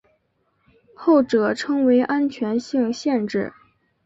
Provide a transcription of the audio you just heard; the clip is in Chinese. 后者称为安全性限制。